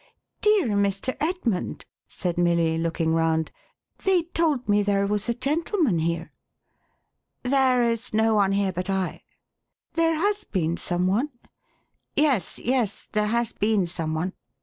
" Dear Mr. Edmund," said Milly, looking round, " they told me there was a gentleman here." "There is no one here but I." " There has been some one ?"" Yes, yes, there has been some one."